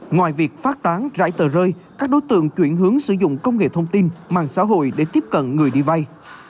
ngoài việc phát tán rải tờ rơi các đối tượng chuyển hướng sử dụng công nghệ thông tin mạng xã hội để tiếp cận người đi vay